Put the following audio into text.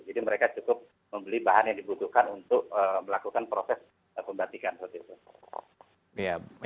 jadi mereka cukup membeli bahan yang dibutuhkan untuk melakukan proses pembatikan